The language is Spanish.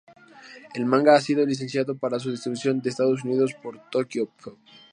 El manga ha sido licenciado para su distribución en Estados Unidos por Tokyopop.